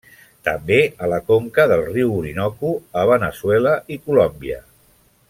També a la conca del riu Orinoco, a Veneçuela i Colòmbia.